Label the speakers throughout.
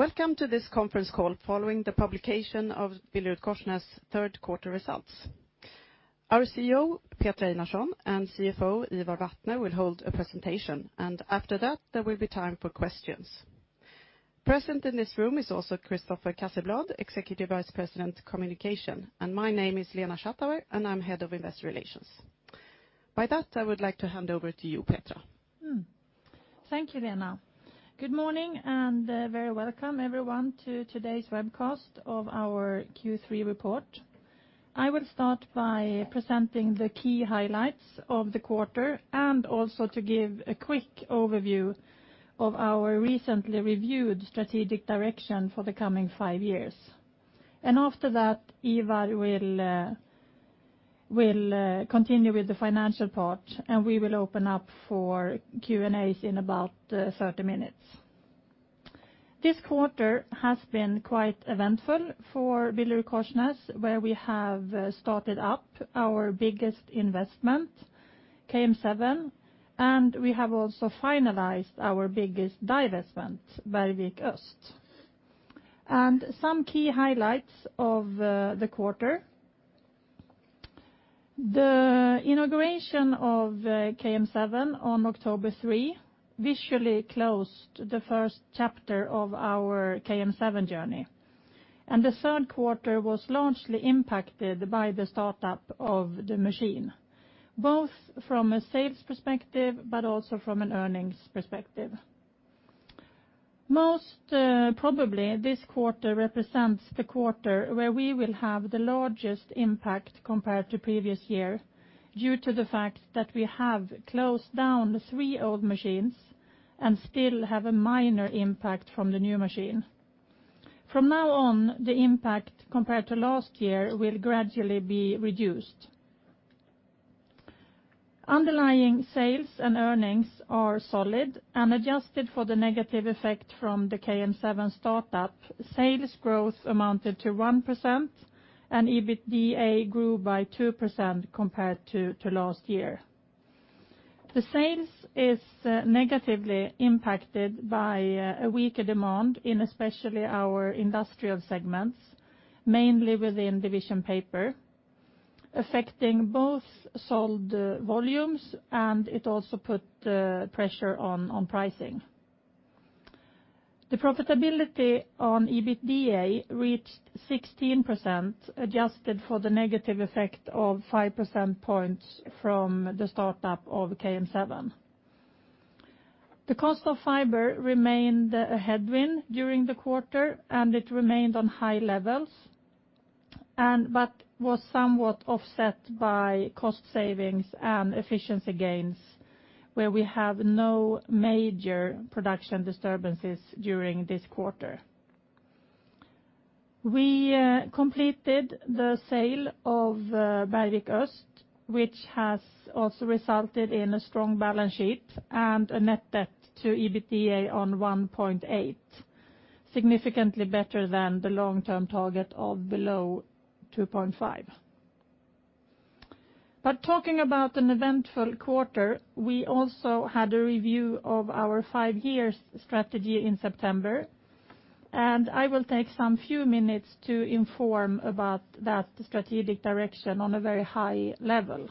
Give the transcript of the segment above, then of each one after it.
Speaker 1: Welcome to this conference call following the publication of BillerudKorsnäs third quarter results. Our CEO, Petra Einarsson, and CFO, Ivar Vatne, will hold a presentation. After that, there will be time for questions. Present in this room is also Christopher Casselblad, Executive Vice President, Communication, and my name is Lena Schattauer, and I'm Head of Investor Relations. By that, I would like to hand over to you, Petra.
Speaker 2: Thank you, Lena. Good morning, very welcome everyone to today's webcast of our Q3 report. I will start by presenting the key highlights of the quarter, and also to give a quick overview of our recently reviewed strategic direction for the coming five years. After that, Ivar will continue with the financial part, and we will open up for Q&A in about 30 minutes. This quarter has been quite eventful for BillerudKorsnäs, where we have started up our biggest investment, KM7, and we have also finalized our biggest divestment, Bergvik Öst. Some key highlights of the quarter. The inauguration of KM7 on October 3 visually closed the first chapter of our KM7 journey, and the third quarter was largely impacted by the startup of the machine, both from a sales perspective, but also from an earnings perspective. Most probably, this quarter represents the quarter where we will have the largest impact compared to previous year, due to the fact that we have closed down the three old machines and still have a minor impact from the new machine. From now on, the impact compared to last year will gradually be reduced. Underlying sales and earnings are solid, and adjusted for the negative effect from the KM7 startup. Sales growth amounted to 1%, and EBITDA grew by 2% compared to last year. The sales is negatively impacted by a weaker demand in especially our industrial segments, mainly within Division Paper, affecting both sold volumes, and it also put pressure on pricing. The profitability on EBITDA reached 16%, adjusted for the negative effect of five percentage points from the startup of KM7. The cost of fiber remained a headwind during the quarter, and it remained on high levels, but was somewhat offset by cost savings and efficiency gains, where we have no major production disturbances during this quarter. We completed the sale of Bergvik Öst, which has also resulted in a strong balance sheet and a net debt to EBITDA on 1.8, significantly better than the long-term target of below 2.5. Talking about an eventful quarter, we also had a review of our five years strategy in September, and I will take some few minutes to inform about that strategic direction on a very high level.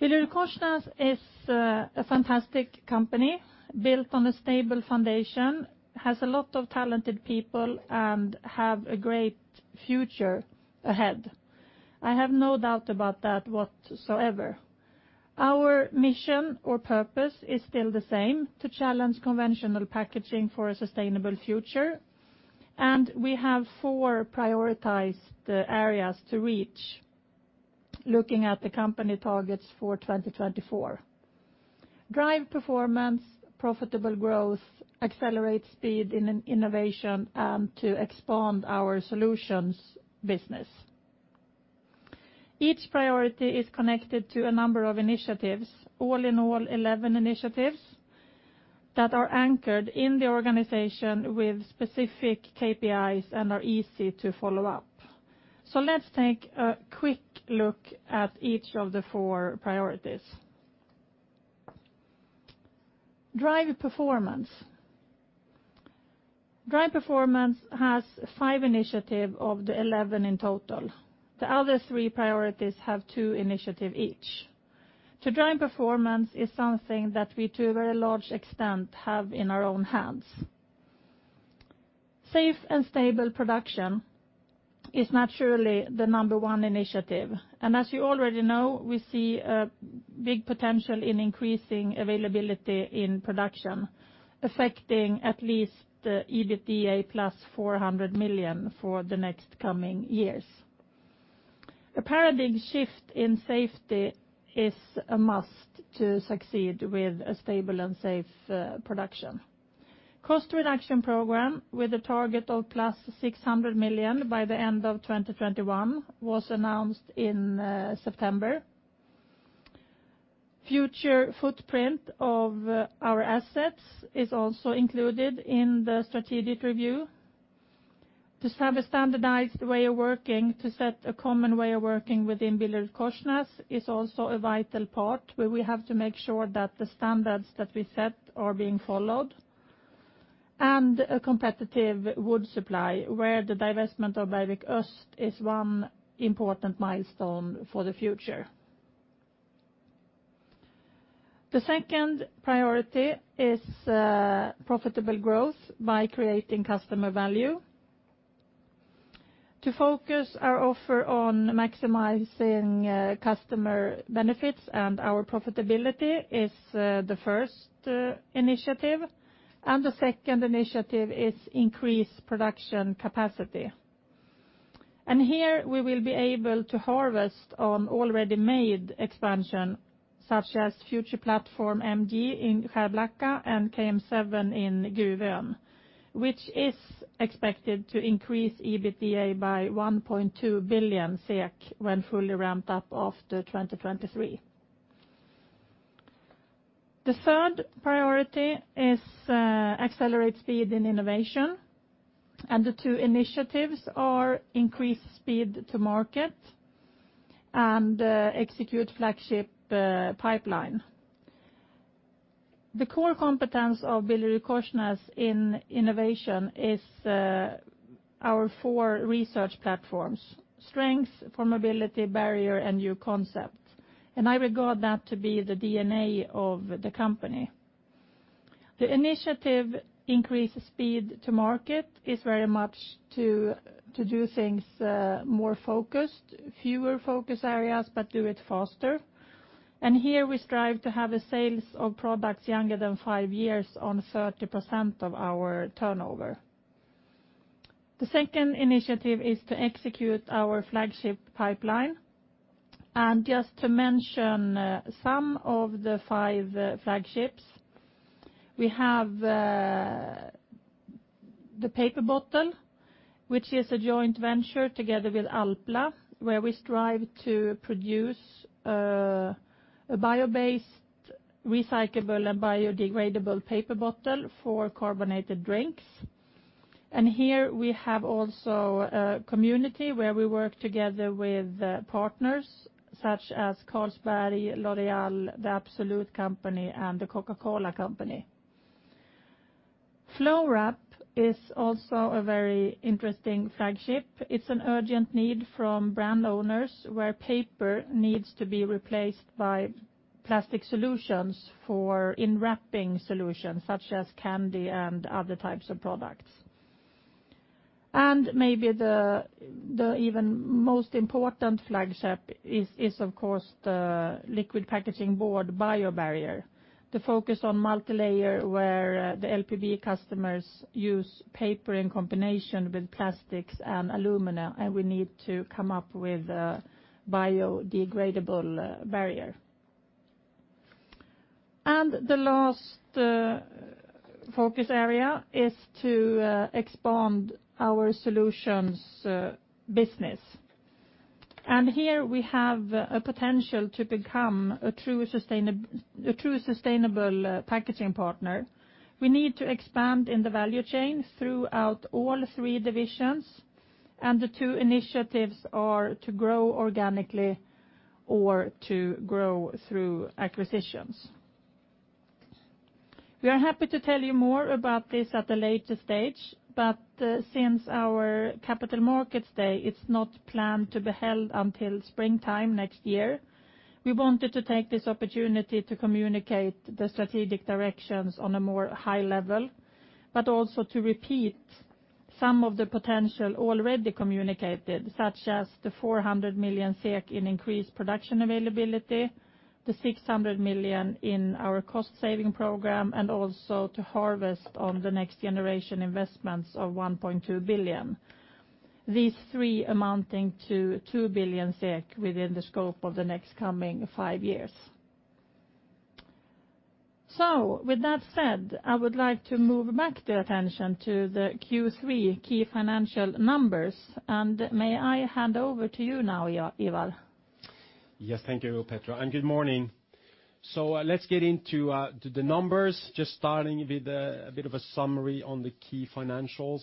Speaker 2: BillerudKorsnäs is a fantastic company, built on a stable foundation, has a lot of talented people, and have a great future ahead. I have no doubt about that whatsoever. Our mission or purpose is still the same, to challenge conventional packaging for a sustainable future, and we have four prioritized areas to reach looking at the company targets for 2024: drive performance, profitable growth, accelerate speed in innovation, and to expand our solutions business. Each priority is connected to a number of initiatives. All in all, 11 initiatives that are anchored in the organization with specific KPIs and are easy to follow up. Let's take a quick look at each of the four priorities. Drive performance. Drive performance has five initiative of the 11 in total. The other three priorities have two initiative each. To drive performance is something that we to a very large extent, have in our own hands. Safe and stable production is naturally the number one initiative, and as you already know, we see a big potential in increasing availability in production, affecting at least the EBITDA plus 400 million for the next coming years. A paradigm shift in safety is a must to succeed with a stable and safe production. Cost reduction program with a target of plus 600 million by the end of 2021 was announced in September. Future footprint of our assets is also included in the strategic review. To have a standardized way of working, to set a common way of working within BillerudKorsnäs is also a vital part, where we have to make sure that the standards that we set are being followed, and a competitive wood supply, where the divestment of Bergvik Öst is one important milestone for the future. The second priority is profitable growth by creating customer value. To focus our offer on maximizing customer benefits and our profitability is the first initiative. The second initiative is increased production capacity. Here we will be able to harvest on already made expansion, such as future platform MG in Skärblacka and KM7 in Gruvön, which is expected to increase EBITDA by 1.2 billion SEK when fully ramped up after 2023. The third priority is accelerate speed and innovation. The two initiatives are increased speed to market and execute flagship pipeline. The core competence of BillerudKorsnäs in innovation is our four research platforms: strength, formability, barrier, and new concept. I regard that to be the DNA of the company. The initiative increased speed to market is very much to do things more focused, fewer focus areas, but do it faster. Here we strive to have a sales of products younger than five years on 30% of our turnover. The second initiative is to execute our flagship pipeline. Just to mention some of the five flagships, we have the paper bottle, which is a joint venture together with Alpla, where we strive to produce a bio-based, recyclable, and biodegradable paper bottle for carbonated drinks. Here we have also a community where we work together with partners such as Carlsberg, L'Oréal, The Absolut Company, and The Coca-Cola Company. Flow-wrap is also a very interesting flagship. It's an urgent need from brand owners, where paper needs to be replaced by plastic solutions for enwrapping solutions such as candy and other types of products. Maybe the even most important flagship is of course the liquid packaging board biobarrier. The focus on multilayer where the LPB customers use paper in combination with plastics and aluminium, we need to come up with a biodegradable barrier. The last focus area is to expand our solutions business. Here we have a potential to become a true sustainable packaging partner. We need to expand in the value chain throughout all three divisions. The two initiatives are to grow organically or to grow through acquisitions. We are happy to tell you more about this at a later stage. Since our capital markets day is not planned to be held until springtime next year, we wanted to take this opportunity to communicate the strategic directions on a more high level, but also to repeat some of the potential already communicated, such as the 400 million SEK in increased production availability, the 600 million in our cost-saving program, and also to harvest on the next generation investments of 1.2 billion. These three amounting to 2 billion SEK within the scope of the next coming five years. With that said, I would like to move back the attention to the Q3 key financial numbers, and may I hand over to you now, Ivar?
Speaker 3: Thank you, Petra, and good morning. Let's get into the numbers. Just starting with a bit of a summary on the key financials.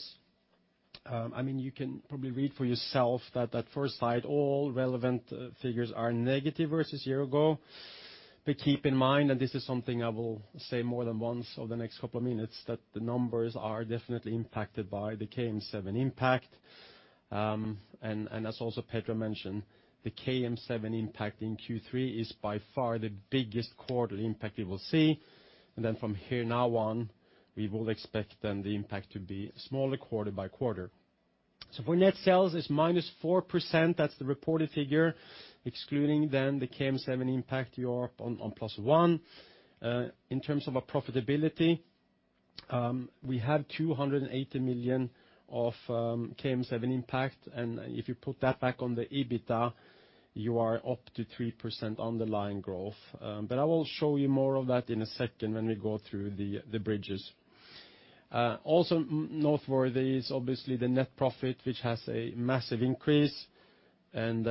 Speaker 3: You can probably read for yourself that at first sight, all relevant figures are negative versus year ago. Keep in mind that this is something I will say more than once over the next couple of minutes, that the numbers are definitely impacted by the KM7 impact. As also Petra mentioned, the KM7 impact in Q3 is by far the biggest quarter impact you will see. From here now on, we will expect then the impact to be smaller quarter by quarter. For net sales, it's -4%. That's the reported figure. Excluding then the KM7 impact, you're on +1%. In terms of our profitability, we have 280 million of KM7 impact, and if you put that back on the EBITDA, you are up to 3% underlying growth. I will show you more of that in a second when we go through the bridges. Also noteworthy is obviously the net profit, which has a massive increase, and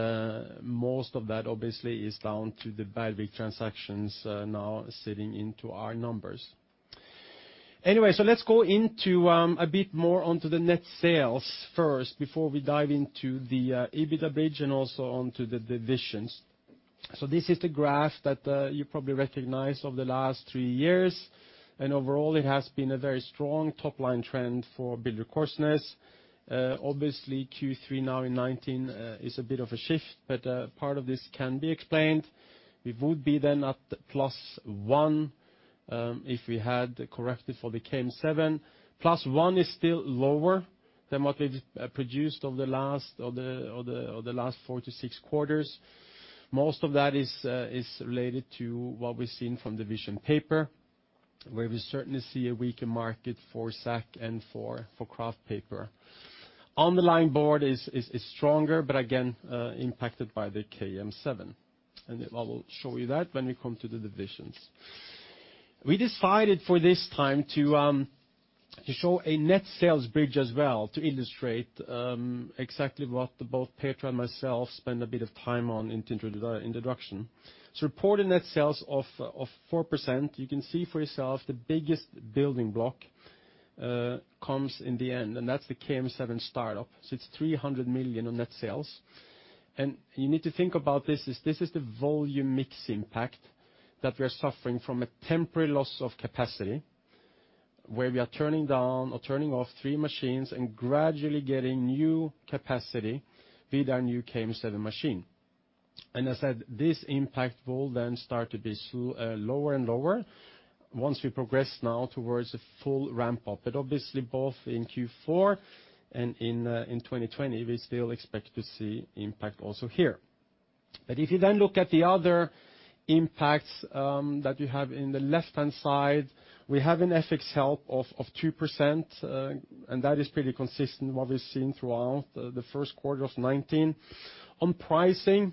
Speaker 3: most of that obviously is down to the Bergvik transactions now sitting into our numbers. Let's go into a bit more onto the net sales first, before we dive into the EBITDA bridge and also onto the divisions. This is the graph that you probably recognize of the last three years. Overall, it has been a very strong top-line trend for BillerudKorsnäs. Obviously, Q3 now in 2019 is a bit of a shift, but part of this can be explained. We would be at plus one, if we had corrected for the KM7. Plus one is still lower than what we produced over the last four to six quarters. Most of that is related to what we've seen from Division Paper, where we certainly see a weaker market for sack and for kraft paper. The liner board is stronger, again, impacted by the KM7. I will show you that when we come to the Divisions. We decided for this time to show a net sales bridge as well to illustrate exactly what both Petra and myself spend a bit of time on introduction. Reported net sales of 4%, you can see for yourself the biggest building block comes in the end, and that's the KM7 startup. It's 300 million on net sales. You need to think about this as, this is the volume mix impact that we're suffering from a temporary loss of capacity, where we are turning down or turning off three machines and gradually getting new capacity with our new KM7 machine. As said, this impact will start to be lower and lower once we progress now towards a full ramp up. Obviously both in Q4 and in 2020, we still expect to see impact also here. If you look at the other impacts that you have in the left-hand side, we have an FX help of 2%, and that is pretty consistent what we've seen throughout the first quarter of 2019. On pricing,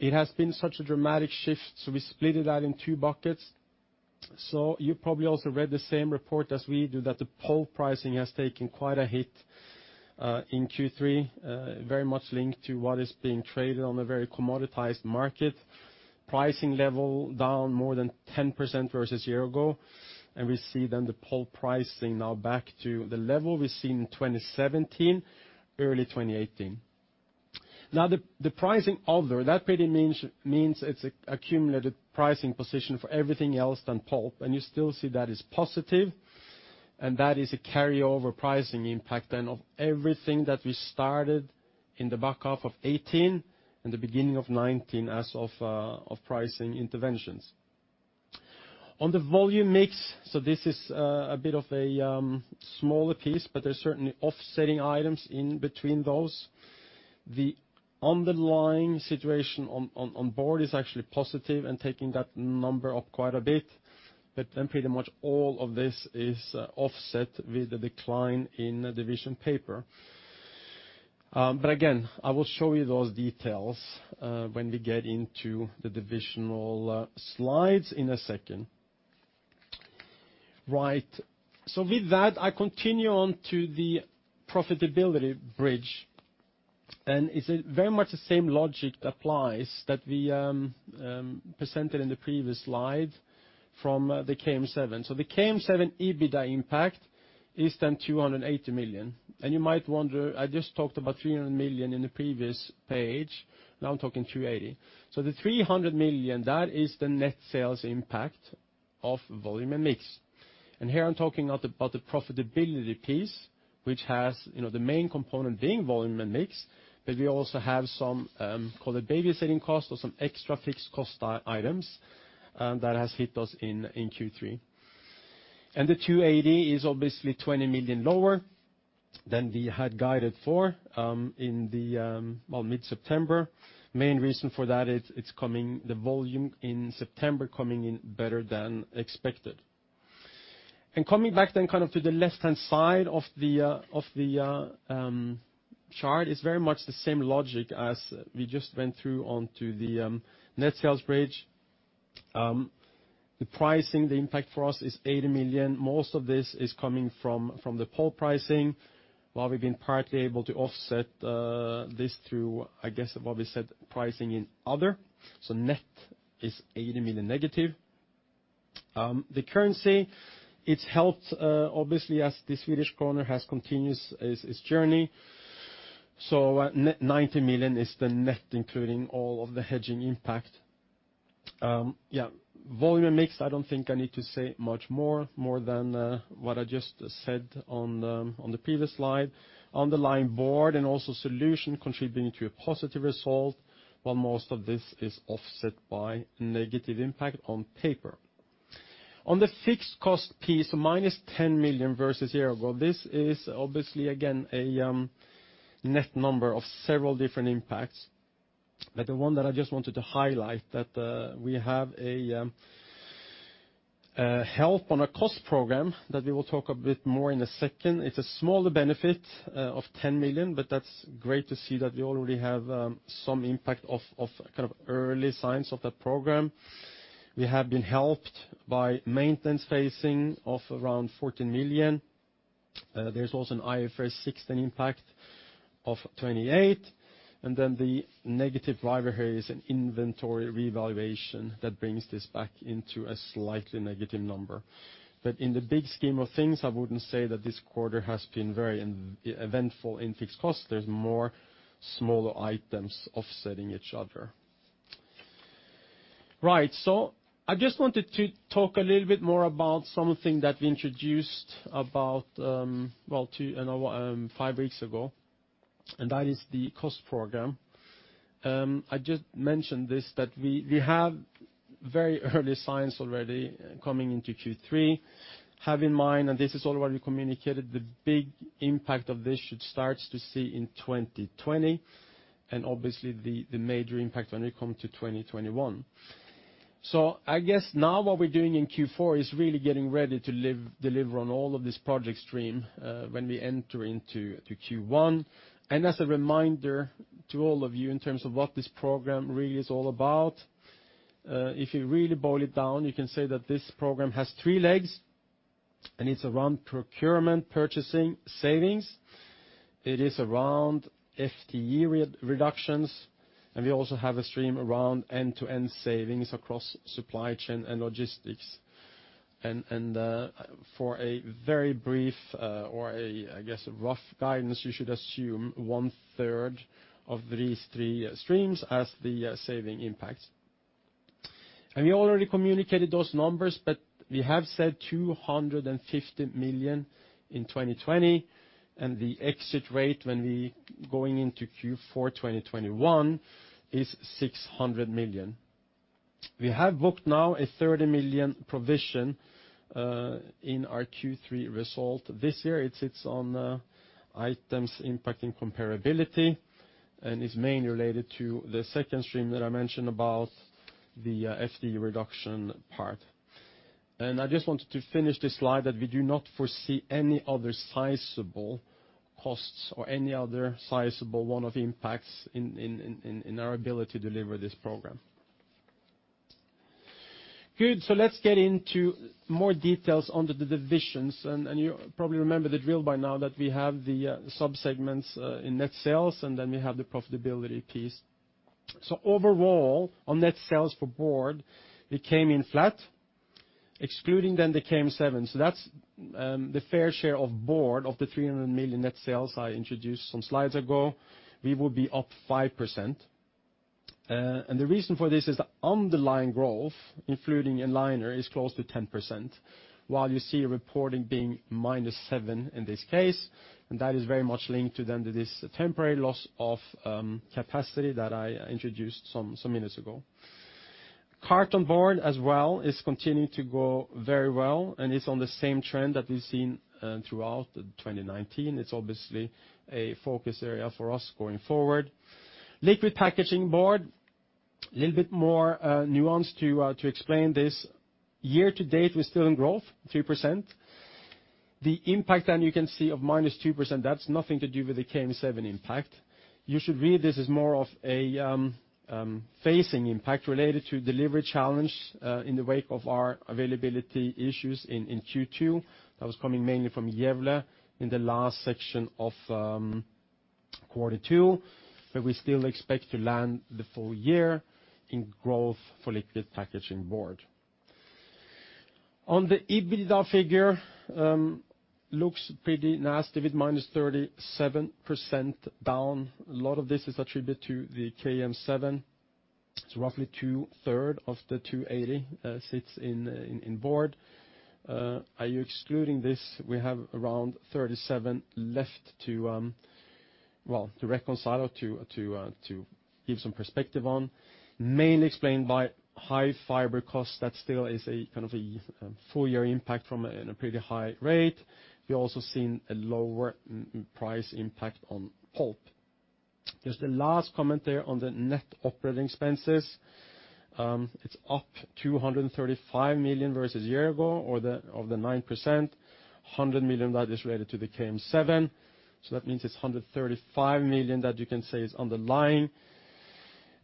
Speaker 3: it has been such a dramatic shift, so we split it out in two buckets. You probably also read the same report as we do that the pulp pricing has taken quite a hit in Q3, very much linked to what is being traded on a very commoditized market. Pricing level down more than 10% versus year ago. We see the pulp pricing now back to the level we see in 2017, early 2018. The pricing other, that pretty means it's accumulated pricing position for everything else than pulp. You still see that as positive, and that is a carryover pricing impact of everything that we started in the back half of 2018 and the beginning of 2019 as of pricing interventions. On the volume mix, this is a bit of a smaller piece, but there's certainly offsetting items in between those. The underlying situation on board is actually positive and taking that number up quite a bit, pretty much all of this is offset with the decline in the Division Paper. I will show you those details when we get into the divisional slides in a second. Right. I continue on to the profitability bridge, it's very much the same logic applies that we presented in the previous slide from the KM7. The KM7 EBITDA impact is 280 million. You might wonder, I just talked about 300 million in the previous page. Now I'm talking 280. The 300 million, that is the net sales impact of volume and mix. Here I'm talking about the profitability piece, which has the main component being volume and mix, but we also have some, call it babysitting costs or some extra fixed cost items, that has hit us in Q3. The 280 is obviously 20 million lower than we had guided for in mid-September. Main reason for that, it's coming the volume in September coming in better than expected. Coming back then to the left-hand side of the chart, is very much the same logic as we just went through onto the net sales bridge. The pricing, the impact for us is 80 million. Most of this is coming from the pulp pricing, while we've been partly able to offset this through, I guess what we said, pricing in other. Net is 80 million negative. The currency, it's helped, obviously, as the Swedish kroner has continued its journey. 90 million is the net, including all of the hedging impact. Yeah. Volume and mix, I don't think I need to say much more, more than what I just said on the previous slide. Underlying board and also solution contributing to a positive result, while most of this is offset by negative impact on paper. The fixed cost piece, minus 10 million versus year ago. This is obviously, again, a net number of several different impacts. The one that I just wanted to highlight that we have a help on a Cost Program that we will talk a bit more in a second. It's a smaller benefit of 10 million, but that's great to see that we already have some impact of early signs of that Program. We have been helped by maintenance phasing of around 14 million. There's also an IFRS 16 impact of 28, the negative driver here is an inventory revaluation that brings this back into a slightly negative number. In the big scheme of things, I wouldn't say that this quarter has been very eventful in fixed costs. There's more smaller items offsetting each other. I just wanted to talk a little bit more about something that we introduced about 5 weeks ago, and that is the cost program. I just mentioned this, that we have very early signs already coming into Q3. Have in mind, and this is all what we communicated, the big impact of this should start to see in 2020, obviously, the major impact when we come to 2021. I guess now what we're doing in Q4 is really getting ready to deliver on all of this project stream when we enter into Q1. As a reminder to all of you in terms of what this program really is all about, if you really boil it down, you can say that this program has three legs, and it's around procurement, purchasing, savings. It is around FTE reductions, and we also have a stream around end-to-end savings across supply chain and logistics. For a very brief or a, I guess, rough guidance, you should assume one-third of these three streams as the saving impact. We already communicated those numbers, but we have said 250 million in 2020. The exit rate when we going into Q4 2021 is 600 million. We have booked now a 30 million provision in our Q3 result this year. It sits on items impacting comparability and is mainly related to the second stream that I mentioned about the FTE reduction part. I just wanted to finish this slide that we do not foresee any other sizable costs or any other sizable one-off impacts in our ability to deliver this program. Good. Let's get into more details on the divisions. You probably remember the drill by now that we have the sub-segments in net sales, then we have the profitability piece. Overall, on net sales for board, it came in flat, excluding the KM7. That's the fair share of board of the 300 million net sales I introduced some slides ago, we will be up 5%. The reason for this is the underlying growth, including in liner, is close to 10%, while you see reporting being -7% in this case. That is very much linked to this temporary loss of capacity that I introduced some minutes ago. Cartonboard as well is continuing to go very well, and it's on the same trend that we've seen throughout 2019. It's obviously a focus area for us going forward. Liquid packaging board, little bit more nuance to explain this. Year to date, we're still in growth, 3%. The impact you can see of minus 2%, that's nothing to do with the KM7 impact. You should read this as more of a phasing impact related to delivery challenge in the wake of our availability issues in Q2. That was coming mainly from Gävle in the last section of quarter 2, but we still expect to land the full year in growth for liquid packaging board. On the EBITDA figure, looks pretty nasty with minus 37% down. A lot of this is attributed to the KM7. Roughly two-third of the 280 sits in board. Are you excluding this? We have around 37 left to reconcile or to give some perspective on, mainly explained by high fiber cost that still is a kind of a full year impact from a pretty high rate. We also seen a lower price impact on pulp. Just a last comment there on the net operating expenses. It's up 235 million versus year-ago of the 9%, 100 million that is related to the KM7. That means it's 135 million that you can say is on the line,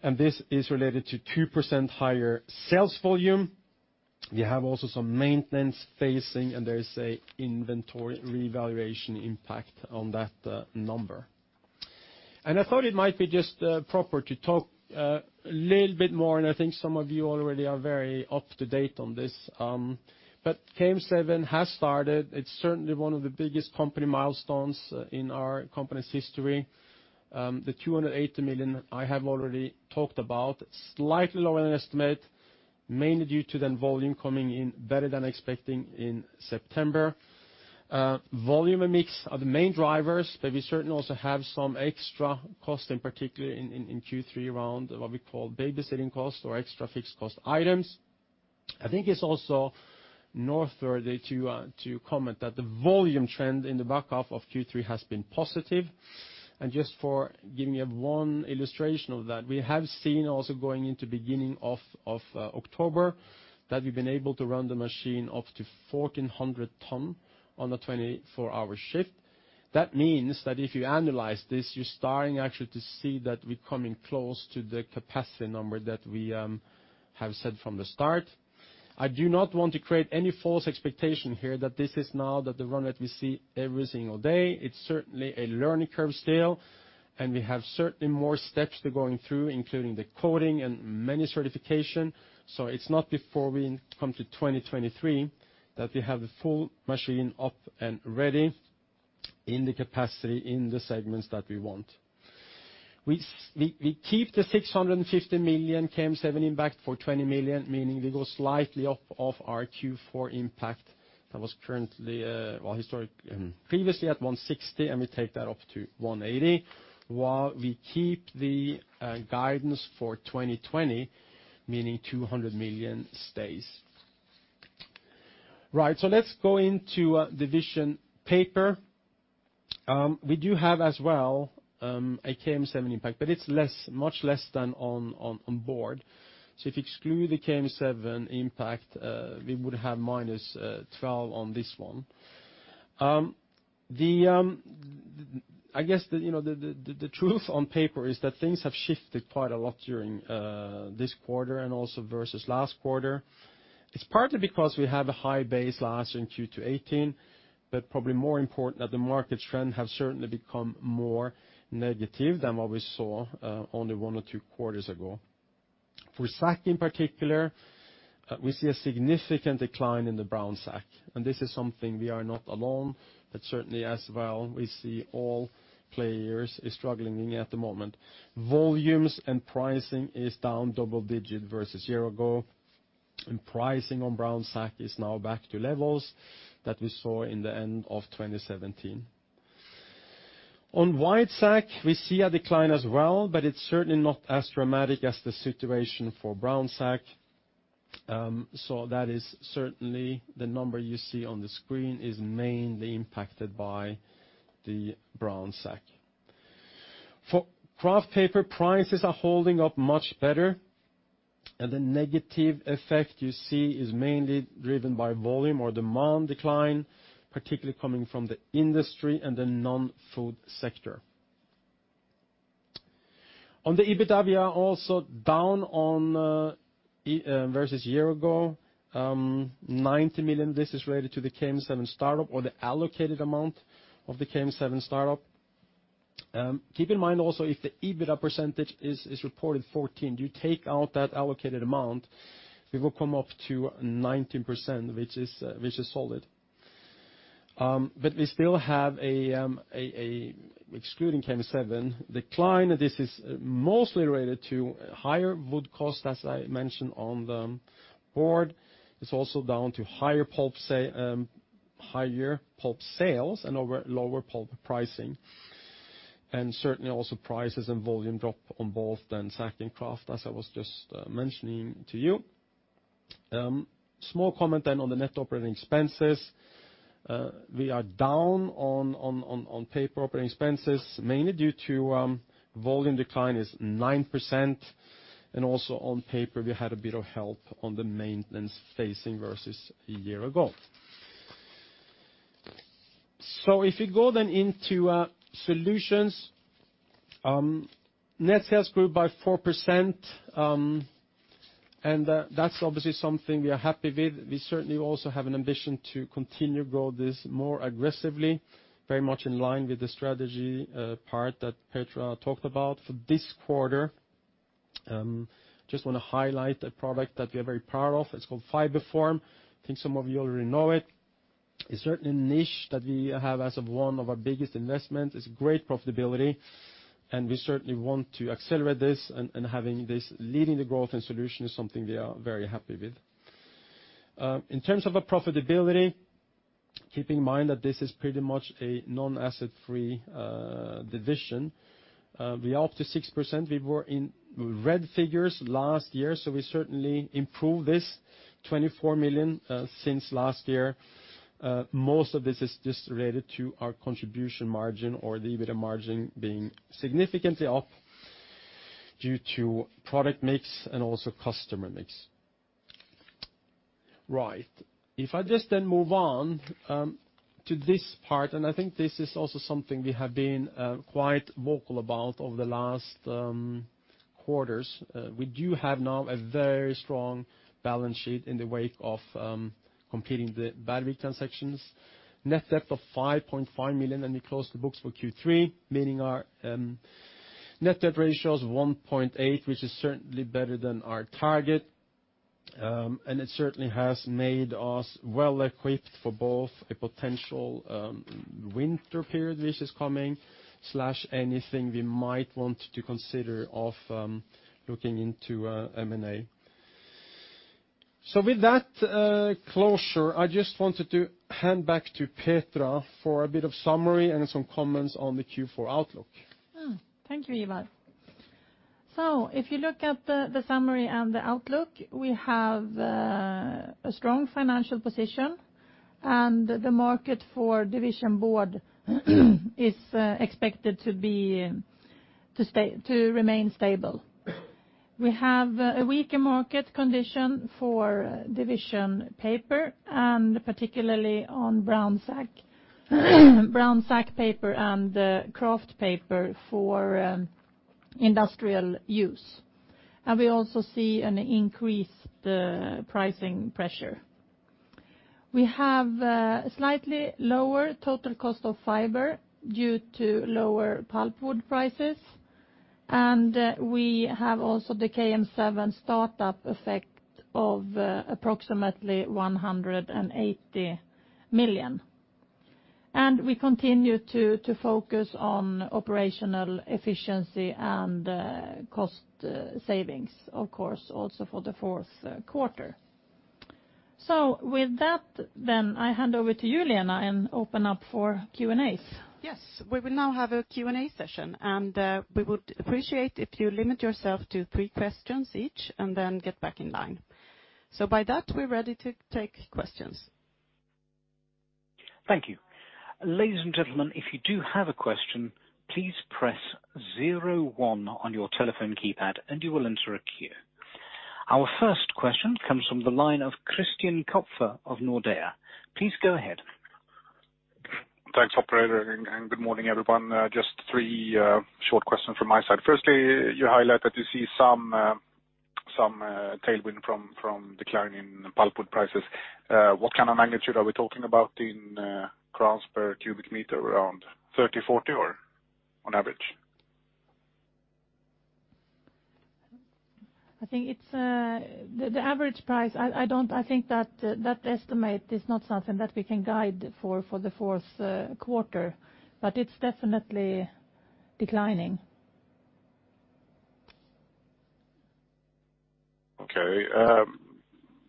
Speaker 3: and this is related to 2% higher sales volume. We have also some maintenance phasing, and there is an inventory revaluation impact on that number. I thought it might be just proper to talk a little bit more, and I think some of you already are very up to date on this. KM7 has started. It is certainly one of the biggest company milestones in our company’s history. The 280 million I have already talked about, slightly lower than estimate, mainly due to then volume coming in better than expecting in September. Volume and mix are the main drivers, but we certainly also have some extra cost, in particular in Q3 around what we call babysitting costs or extra fixed cost items. I think it is also noteworthy to comment that the volume trend in the back half of Q3 has been positive. Just for giving you one illustration of that, we have seen also going into beginning of October that we've been able to run the machine up to 1,400 ton on a 24-hour shift. That means that if you analyze this, you're starting actually to see that we're coming close to the capacity number that we have said from the start. I do not want to create any false expectation here that this is now the run that we see every single day. It's certainly a learning curve still, and we have certainly more steps to going through, including the coding and many certification. It's not before we come to 2023 that we have the full machine up and ready in the capacity, in the segments that we want. We keep the 650 million KM7 impact for 20 million, meaning we go slightly up off our Q4 impact that was previously at 160 million, and we take that up to 180 million, while we keep the guidance for 2020, meaning 200 million stays. Let's go into Division Paper. We do have as well a KM7 impact, but it is much less than on Board. If you exclude the KM7 impact, we would have minus 12 million on this one. I guess the truth on paper is that things have shifted quite a lot during this quarter and also versus last quarter. It is partly because we have a high base last in Q2 2018, but probably more important that the market trend has certainly become more negative than what we saw only one or two quarters ago. For sack in particular, we see a significant decline in the brown sack, and this is something we are not alone, but certainly as well, we see all players are struggling at the moment. Volumes and pricing is down double-digit versus year ago, and pricing on brown sack is now back to levels that we saw in the end of 2017. On white sack, we see a decline as well, but it's certainly not as dramatic as the situation for brown sack. That is certainly the number you see on the screen is mainly impacted by the brown sack. For kraft paper, prices are holding up much better. The negative effect you see is mainly driven by volume or demand decline, particularly coming from the industry and the non-food sector. On the EBITDA, also down versus year ago, 90 million. This is related to the KM7 startup or the allocated amount of the KM7 startup. Keep in mind also, if the EBITDA percentage is reported 14, you take out that allocated amount, we will come up to 19%, which is solid. We still have, excluding KM7, decline. This is mostly related to higher wood cost, as I mentioned on the board. It's also down to higher pulp sales and lower pulp pricing, certainly also prices and volume drop on both the sack and kraft, as I was just mentioning to you. Small comment on the net operating expenses. We are down on paper operating expenses, mainly due to volume decline is 9%. Also on paper, we had a bit of help on the maintenance facing versus a year ago. If you go into solutions, net sales grew by 4%. That's obviously something we are happy with. We certainly also have an ambition to continue to grow this more aggressively, very much in line with the strategy part that Petra talked about. For this quarter, just want to highlight a product that we are very proud of. It's called FibreForm. I think some of you already know it. It's certainly a niche that we have as of one of our biggest investments. It's great profitability. We certainly want to accelerate this and having this leading the growth and solution is something we are very happy with. In terms of a profitability, keep in mind that this is pretty much a non-asset-free division. We're up to 6%. We were in red figures last year. We certainly improved this 24 million since last year. Most of this is just related to our contribution margin or the EBITDA margin being significantly up due to product mix and also customer mix. Move on to this part. I think this is also something we have been quite vocal about over the last quarters. We do have now a very strong balance sheet in the wake of completing the Bergvik transactions. Net debt of 5.5 million, we closed the books for Q3, meaning our net debt ratio is 1.8, which is certainly better than our target. It certainly has made us well equipped for both a potential winter period, which is coming or anything we might want to consider of looking into M&A. With that closure, I just wanted to hand back to Petra for a bit of summary and some comments on the Q4 outlook.
Speaker 2: Thank you, Ivar. If you look at the summary and the outlook, we have a strong financial position and the market for Division Board is expected to remain stable. We have a weaker market condition for Division Paper, and particularly on brown sack paper and kraft paper for industrial use. We also see an increased pricing pressure. We have a slightly lower total cost of fiber due to lower pulpwood prices, and we have also the KM7 start-up effect of approximately 180 million. We continue to focus on operational efficiency and cost savings, of course, also for the fourth quarter. With that, then, I hand over to you, Lena, and open up for Q&As.
Speaker 1: Yes. We will now have a Q&A session, and we would appreciate if you limit yourself to three questions each and then get back in line. By that, we're ready to take questions.
Speaker 4: Thank you. Ladies and gentlemen, if you do have a question, please press zero one on your telephone keypad and you will enter a queue. Our first question comes from the line of Christian Kopfer of Nordea. Please go ahead.
Speaker 5: Thanks, operator. Good morning, everyone. Just three short questions from my side. Firstly, you highlight that you see some tailwind from declining pulpwood prices. What kind of magnitude are we talking about in SEK per cubic meter, around 30, 40, or on average?
Speaker 2: The average price, I think that estimate is not something that we can guide for the fourth quarter, but it's definitely declining.
Speaker 5: Okay.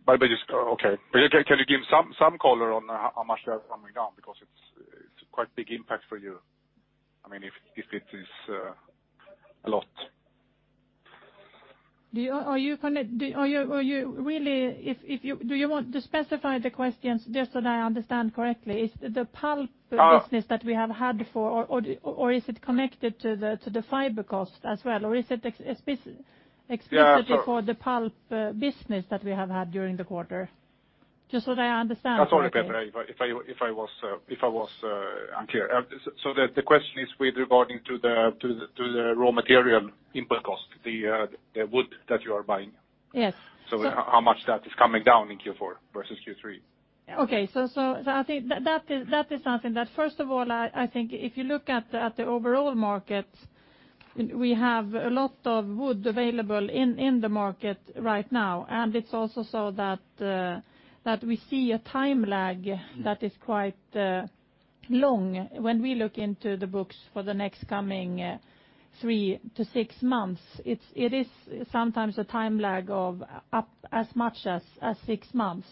Speaker 5: Can you give some color on how much they are coming down? Because it's a quite big impact for you, if it is a lot.
Speaker 2: Do you want to specify the questions, just so that I understand correctly? Is it the pulp business that we have had before, or is it connected to the fiber cost as well?
Speaker 5: Yeah, sure.
Speaker 2: for the pulp business that we have had during the quarter? Just so that I understand correctly.
Speaker 5: That's all right, Petra, if I was unclear. The question is with regard to the raw material input cost, the wood that you are buying.
Speaker 2: Yes.
Speaker 5: How much that is coming down in Q4 versus Q3?
Speaker 2: Okay. I think that is something that, first of all, I think if you look at the overall market, we have a lot of wood available in the market right now, and it's also so that we see a time lag that is quite long. When we look into the books for the next coming three to six months, it is sometimes a time lag of up as much as six months.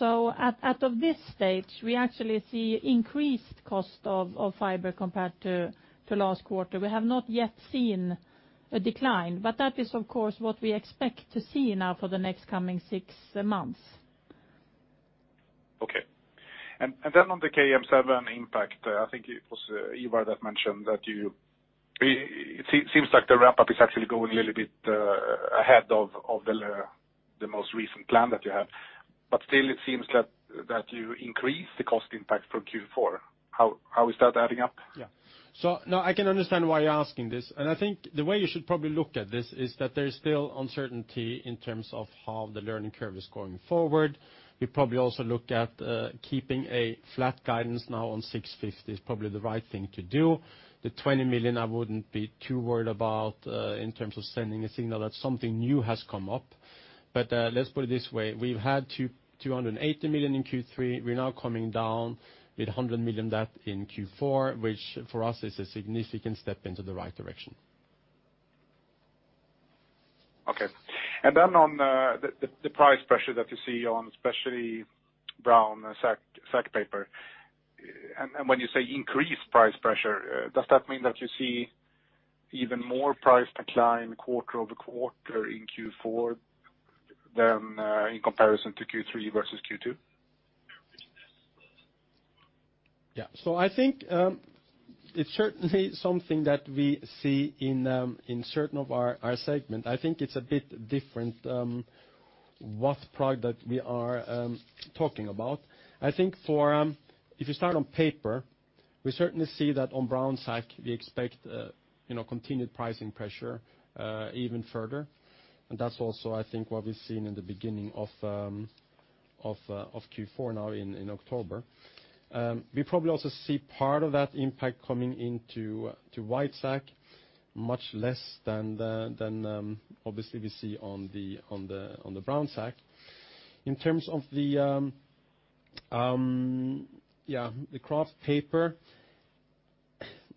Speaker 2: At of this stage, we actually see increased cost of fiber compared to last quarter. We have not yet seen a decline, but that is, of course, what we expect to see now for the next coming six months.
Speaker 5: Okay. On the KM7 impact, I think it was Ivar that mentioned that it seems like the ramp-up is actually going a little bit ahead of the most recent plan that you had. Still, it seems that you increased the cost impact for Q4. How is that adding up?
Speaker 3: Yeah. No, I can understand why you're asking this, and I think the way you should probably look at this is that there is still uncertainty in terms of how the learning curve is going forward. We probably also look at keeping a flat guidance now on 650 is probably the right thing to do. The 20 million, I wouldn't be too worried about in terms of sending a signal that something new has come up. Let's put it this way, we've had 280 million in Q3. We're now coming down with 100 million that in Q4, which for us is a significant step into the right direction.
Speaker 5: Okay. On the price pressure that you see on especially brown sack paper, and when you say increased price pressure, does that mean that you see even more price decline quarter-over-quarter in Q4 than in comparison to Q3 versus Q2?
Speaker 3: Yeah. I think it's certainly something that we see in certain of our segment. I think it's a bit different, what product we are talking about. I think if you start on paper, we certainly see that on brown sack, we expect continued pricing pressure even further, and that's also, I think, what we've seen in the beginning of Q4 now in October. We probably also see part of that impact coming into white sack, much less than obviously we see on the brown sack. In terms of the kraft paper,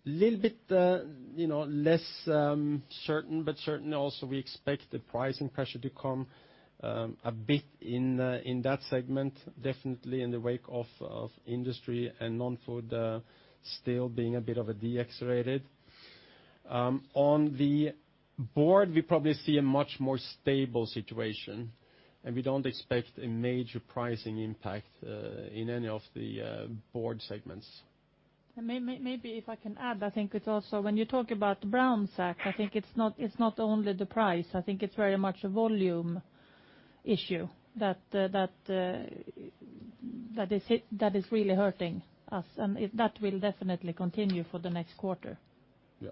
Speaker 3: little bit less certain, but certain also we expect the pricing pressure to come a bit in that segment, definitely in the wake of industry and non-food still being a bit of a de-accelerated. On the board, we probably see a much more stable situation, and we don't expect a major pricing impact in any of the board segments.
Speaker 2: Maybe if I can add, I think it's also when you talk about brown sack, I think it's not only the price. I think it's very much a volume issue that is really hurting us. That will definitely continue for the next quarter.
Speaker 3: Yeah.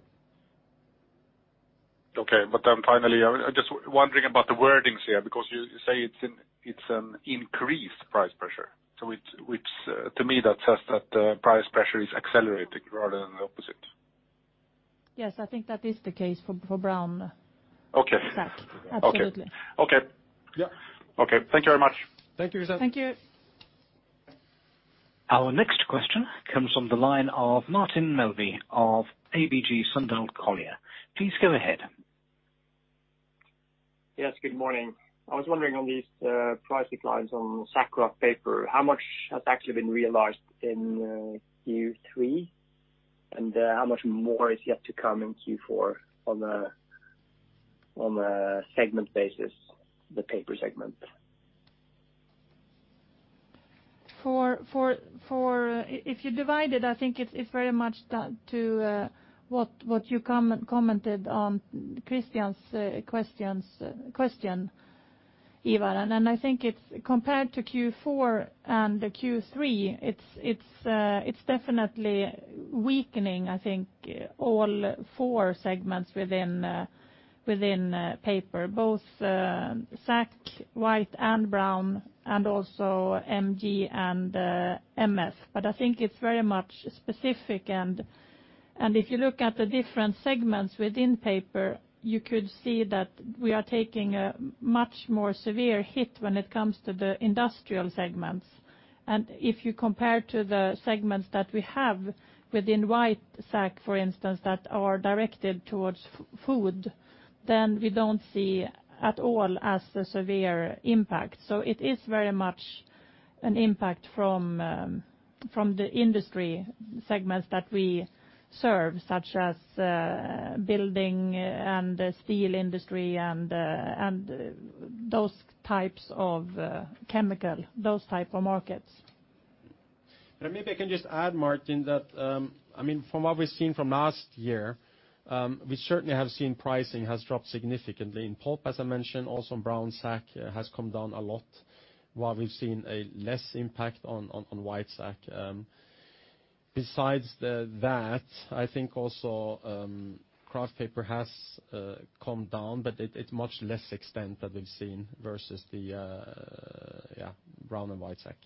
Speaker 5: Okay. Finally, I'm just wondering about the wordings here, because you say it's an increased price pressure. Which to me that says that the price pressure is accelerating rather than the opposite.
Speaker 2: Yes, I think that is the case for brown.
Speaker 5: Okay.
Speaker 2: Absolutely.
Speaker 5: Okay.
Speaker 3: Yeah.
Speaker 5: Okay. Thank you very much.
Speaker 3: Thank you.
Speaker 2: Thank you.
Speaker 4: Our next question comes from the line of Martin Melbye of ABG Sundal Collier. Please go ahead.
Speaker 6: Yes, good morning. I was wondering on these price declines on sack kraft paper, how much has actually been realized in Q3? How much more is yet to come in Q4 on a segment basis, the paper segment?
Speaker 2: If you divide it, I think it's very much down to what you commented on Christian's question, Ivar, I think it's compared to Q4 and Q3, it's definitely weakening, I think all four segments within paper, both sack, white and brown, and also MG and MF. I think it's very much specific, and if you look at the different segments within paper, you could see that we are taking a much more severe hit when it comes to the industrial segments. If you compare to the segments that we have within white sack, for instance, that are directed towards food, then we don't see at all as a severe impact. It is very much an impact from the industry segments that we serve, such as building and steel industry and those types of chemical, those type of markets.
Speaker 3: Maybe I can just add, Martin, that from what we've seen from last year, we certainly have seen pricing has dropped significantly in pulp, as I mentioned, also brown sack has come down a lot while we've seen a less impact on white sack. Besides that, I think also kraft paper has come down, but it's much less extent that we've seen versus the brown and white sack.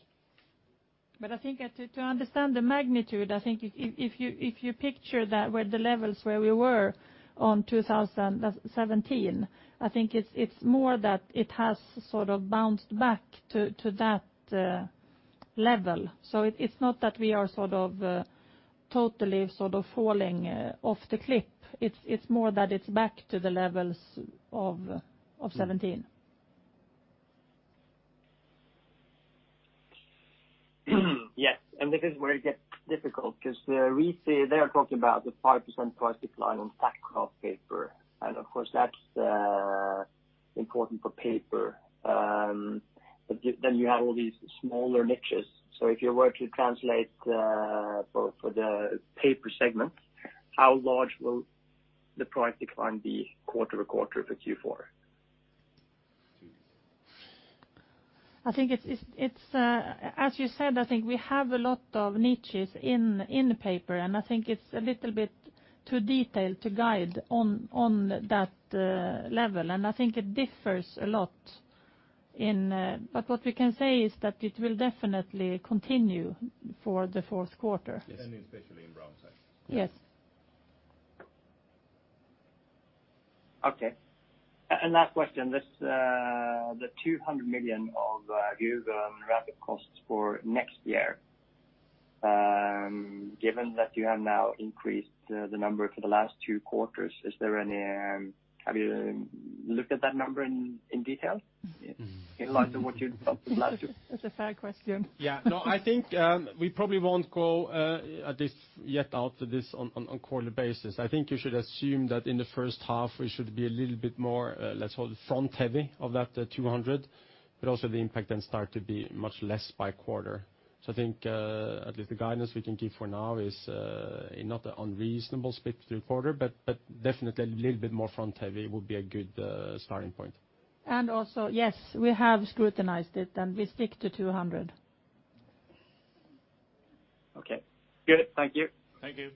Speaker 2: I think to understand the magnitude, I think if you picture that where the levels where we were on 2017, I think it's more that it has sort of bounced back to that level. It's not that we are totally falling off the cliff. It's more that it's back to the levels of 2017.
Speaker 6: Yes, this is where it gets difficult because we see they are talking about a 5% price decline on sack kraft paper, and of course, that's important for paper. You have all these smaller niches. If you were to translate for the paper segment, how large will the price decline be quarter-over-quarter for Q4?
Speaker 2: As you said, I think we have a lot of niches in paper, and I think it's a little bit too detailed to guide on that level, and I think it differs a lot. What we can say is that it will definitely continue for the fourth quarter.
Speaker 3: Especially in brown sack.
Speaker 2: Yes.
Speaker 6: Okay. Last question, the 200 million of ramp-up costs for next year, given that you have now increased the number for the last two quarters, have you looked at that number in detail in light of what you developed with last year?
Speaker 2: That's a fair question.
Speaker 3: No, I think we probably won't go at this yet out to this on a quarterly basis. I think you should assume that in the first half, we should be a little bit more, let's call it, front heavy of that 200, but also the impact then start to be much less by quarter. I think, at least the guidance we can give for now is not unreasonable split through quarter, but definitely a little bit more front heavy would be a good starting point.
Speaker 2: Also, yes, we have scrutinized it, and we stick to 200.
Speaker 6: Okay, good. Thank you.
Speaker 3: Thank you.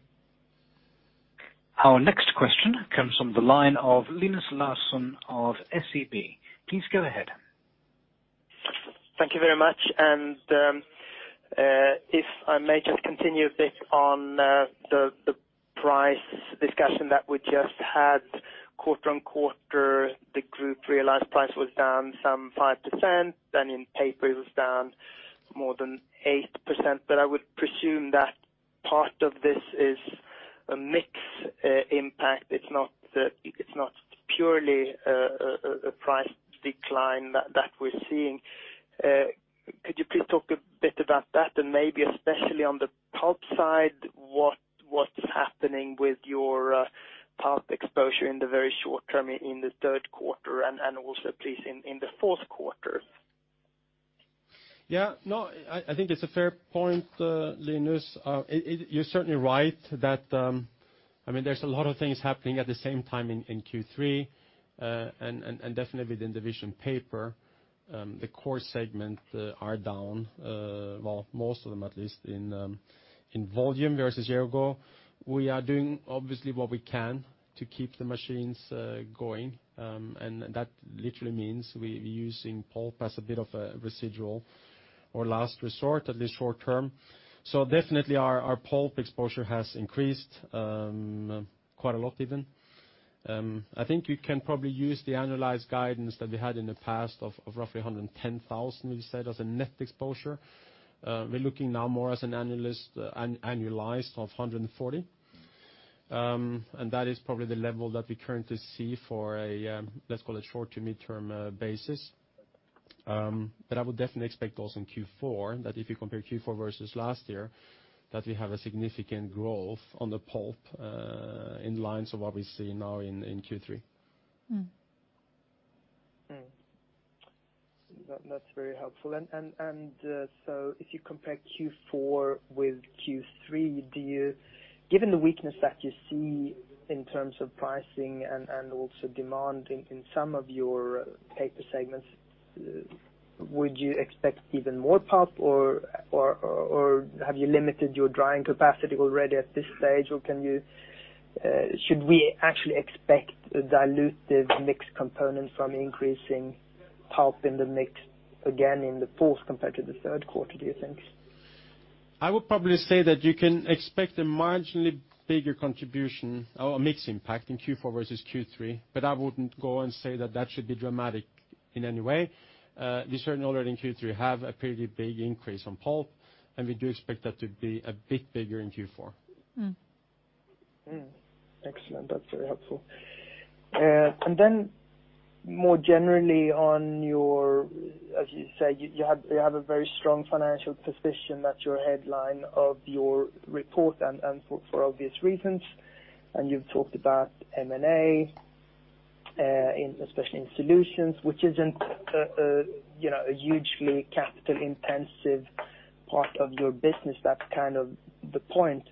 Speaker 4: Our next question comes from the line of Linus Larsson of SEB. Please go ahead.
Speaker 7: Thank you very much. If I may just continue a bit on the price discussion that we just had quarter-on-quarter, the group realized price was down some 5%, then in paper it was down more than 8%, but I would presume that part of this is a mix impact. It's not purely a price decline that we're seeing. Could you please talk a bit about that and maybe especially on the pulp side, what's happening with your pulp exposure in the very short term in the third quarter and also please in the fourth quarter?
Speaker 3: Yeah. No, I think it's a fair point, Linus. You're certainly right that there's a lot of things happening at the same time in Q3, and definitely within Division Paper, the core segment are down, well, most of them at least in volume versus year ago. We are doing obviously what we can to keep the machines going, and that literally means we're using pulp as a bit of a residual or last resort, at least short term. Definitely our pulp exposure has increased, quite a lot even. I think you can probably use the annualized guidance that we had in the past of roughly 110,000, we said, as a net exposure. We're looking now more as an annualized of 140. That is probably the level that we currently see for a, let's call it short- to midterm basis. I would definitely expect also in Q4, that if you compare Q4 versus last year, that we have a significant growth on the pulp, in lines of what we see now in Q3.
Speaker 7: That's very helpful. If you compare Q4 with Q3, given the weakness that you see in terms of pricing and also demand in some of your paper segments, would you expect even more pulp or have you limited your drying capacity already at this stage? Should we actually expect a dilutive mix component from increasing pulp in the mix again in the fourth compared to the third quarter, do you think?
Speaker 3: I would probably say that you can expect a marginally bigger contribution or a mix impact in Q4 versus Q3, but I wouldn't go and say that that should be dramatic in any way. We certainly already in Q3 have a pretty big increase on pulp, and we do expect that to be a bit bigger in Q4.
Speaker 7: Excellent. That's very helpful. More generally, as you say, you have a very strong financial position. That's your headline of your report and for obvious reasons. You've talked about M&A, especially in solutions, which isn't a hugely capital-intensive part of your business. That's kind of the point.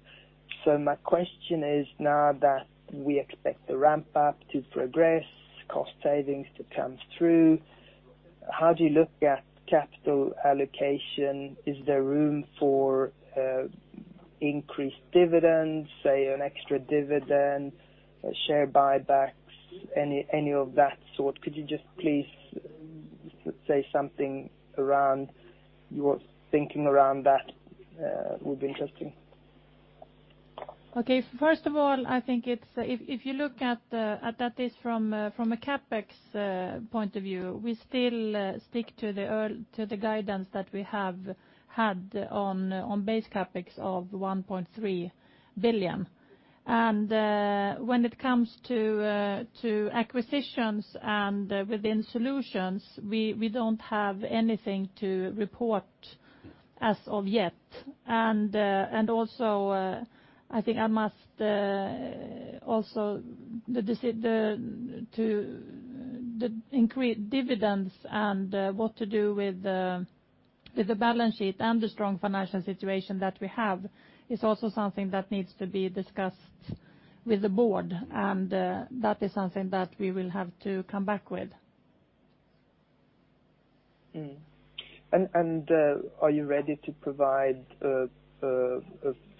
Speaker 7: My question is now that we expect the ramp up to progress, cost savings to come through, how do you look at capital allocation? Is there room for increased dividends, say an extra dividend, share buybacks, any of that sort? Could you just please say something around your thinking around that would be interesting.
Speaker 2: Okay. First of all, I think if you look at this from a CapEx point of view, we still stick to the guidance that we have had on base CapEx of 1.3 billion. When it comes to acquisitions and within solutions, we don't have anything to report as of yet. Also, I think to increase dividends and what to do with the balance sheet and the strong financial situation that we have is also something that needs to be discussed with the Board, and that is something that we will have to come back with.
Speaker 7: Are you ready to provide a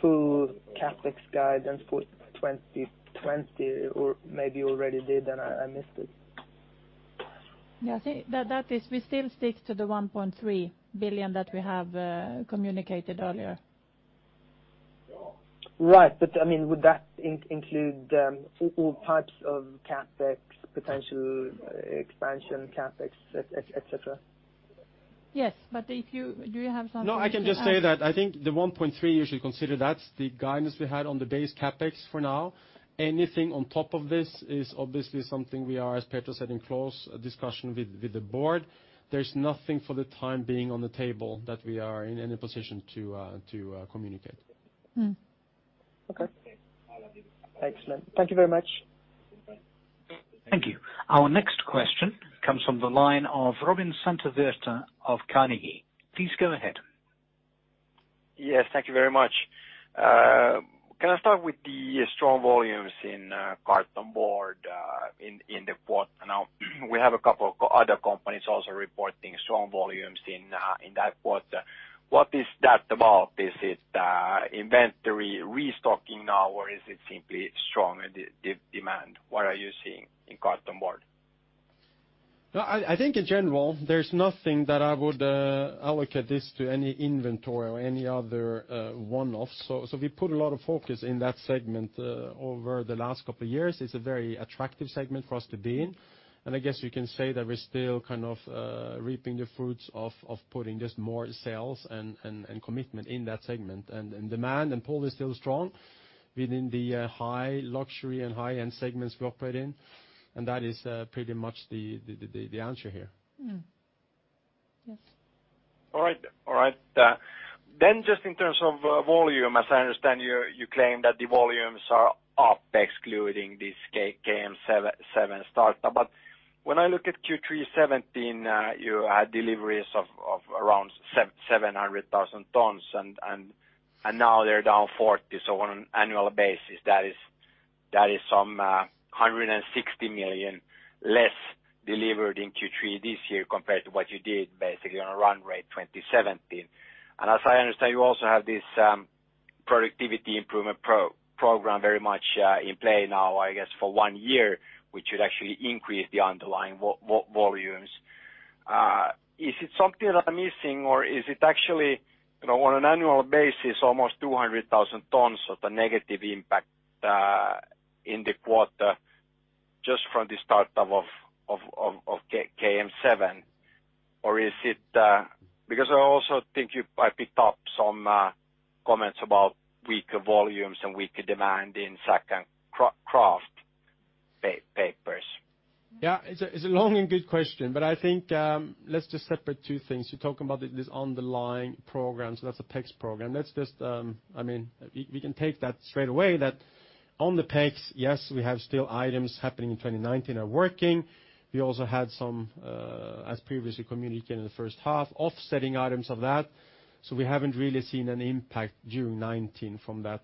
Speaker 7: full CapEx guidance for 2020, or maybe you already did and I missed it?
Speaker 2: Yeah. We still stick to the 1.3 billion that we have communicated earlier.
Speaker 7: Right. Would that include all types of CapEx, potential expansion CapEx, et cetera?
Speaker 2: Yes, do you have something to add?
Speaker 3: No, I can just say that I think the 1.3, you should consider that the guidance we had on the base CapEx for now. Anything on top of this is obviously something we are, as Petra said, in close discussion with the board. There is nothing for the time being on the table that we are in any position to communicate.
Speaker 7: Okay. Excellent. Thank you very much.
Speaker 4: Thank you. Our next question comes from the line of Robin Santavirta of Carnegie. Please go ahead.
Speaker 8: Yes, thank you very much. Can I start with the strong volumes in cartonboard in the quarter? We have a couple of other companies also reporting strong volumes in that quarter. What is that about? Is it inventory restocking now or is it simply strong demand? What are you seeing in cartonboard?
Speaker 3: I think in general, there's nothing that I would allocate this to any inventory or any other one-off. We put a lot of focus in that segment, over the last couple of years. It's a very attractive segment for us to be in, and I guess you can say that we're still kind of reaping the fruits of putting just more sales and commitment in that segment. Demand in pulp is still strong within the high luxury and high-end segments we operate in, and that is pretty much the answer here.
Speaker 2: Mm-hmm. Yes.
Speaker 8: All right. Just in terms of volume, as I understand, you claim that the volumes are up excluding this KM7 startup. When I look at Q3 2017, you had deliveries of around 700,000 tons and now they're down 40. On an annual basis, that is some 160 million less delivered in Q3 this year compared to what you did basically on a run rate 2017. As I understand, you also have this productivity improvement program very much in play now, I guess for one year, which should actually increase the underlying volumes. Is it something that I'm missing or is it actually on an annual basis, almost 200,000 tons of the negative impact in the quarter just from the startup of KM7? I also think I picked up some comments about weaker volumes and weaker demand in sack and kraft papers.
Speaker 3: Yeah, it's a long and good question. I think let's just separate two things. You talk about this underlying program, that's a PEX program. We can take that straight away that on the PEX, yes, we have still items happening in 2019 are working. We also had some, as previously communicated in the first half, offsetting items of that. We haven't really seen an impact during 2019 from that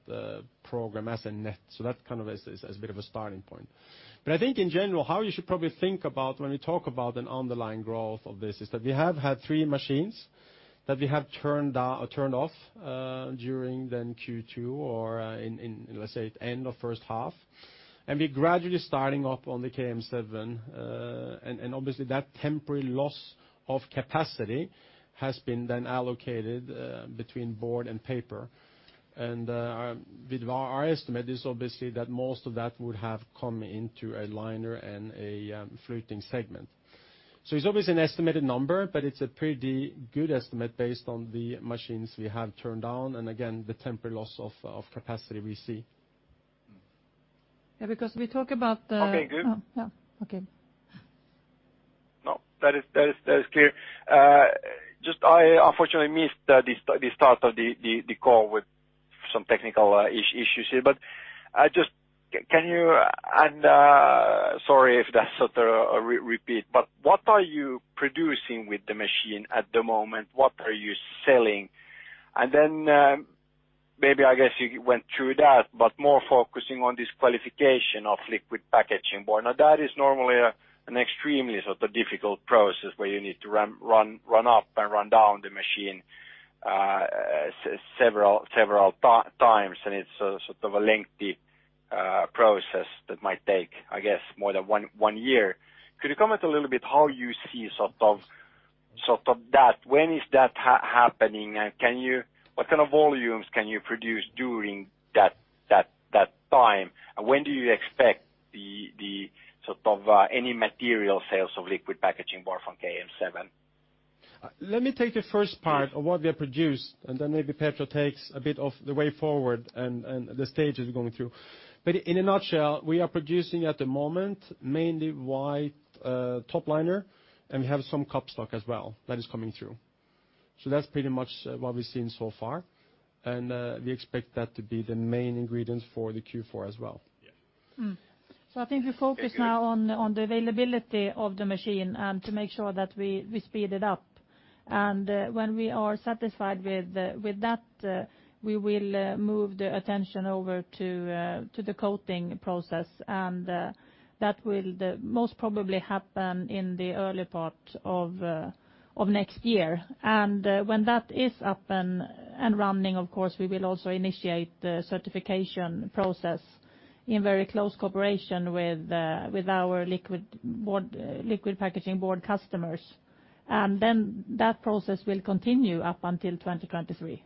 Speaker 3: program as a net. That kind of is a bit of a starting point. I think in general, how you should probably think about when we talk about an underlying growth of this is that we have had three machines that we have turned off during then Q2 or let's say end of first half. We're gradually starting up on the KM7. Obviously that temporary loss of capacity has been then allocated between board and paper. Our estimate is obviously that most of that would have come into a liner and a fluting segment. It's obviously an estimated number, but it's a pretty good estimate based on the machines we have turned down and again, the temporary loss of capacity we see.
Speaker 2: Yeah, because we talk about.
Speaker 8: Okay, good.
Speaker 2: Yeah. Okay.
Speaker 8: No, that is clear. Just I unfortunately missed the start of the call with some technical issues here. Sorry if that's a repeat, what are you producing with the machine at the moment? What are you selling? Then, maybe I guess you went through that, more focusing on this qualification of liquid packaging board. That is normally an extremely sort of difficult process where you need to run up and run down the machine several times and it's sort of a lengthy process that might take, I guess more than one year. Could you comment a little bit how you see sort of that? When is that happening and what kind of volumes can you produce during that time? When do you expect any material sales of liquid packaging board from KM7?
Speaker 3: Let me take the first part of what we have produced, and then maybe Petra takes a bit of the way forward and the stages we're going through. In a nutshell, we are producing at the moment mainly White Top Liner, and we have some Cup Stock as well that is coming through. That's pretty much what we're seeing so far, and we expect that to be the main ingredient for the Q4 as well.
Speaker 2: I think we focus now on the availability of the machine and to make sure that we speed it up. When we are satisfied with that, we will move the attention over to the coating process, and that will most probably happen in the early part of next year. When that is up and running, of course, we will also initiate the certification process in very close cooperation with our liquid packaging board customers. That process will continue up until 2023.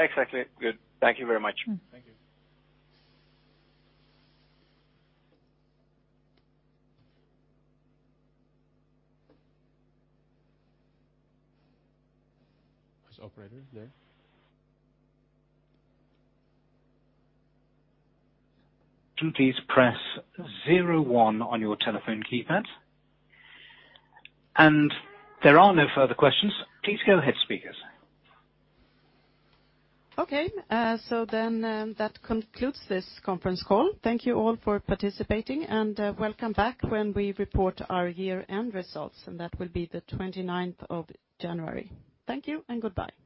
Speaker 8: Exactly. Good. Thank you very much.
Speaker 3: Thank you. Is operator there?
Speaker 4: Please press 01 on your telephone keypad. There are no further questions. Please go ahead, speakers.
Speaker 2: That concludes this conference call. Thank you all for participating, and welcome back when we report our year-end results, and that will be the 29th of January. Thank you and goodbye.